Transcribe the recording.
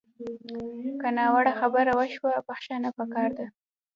که ناوړه خبره وشوه، بښنه پکار ده